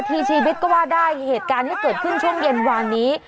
ทีชีวิตก็ว่าได้เหตุการณ์ที่เกิดขึ้นช่วงเย็นวานนี้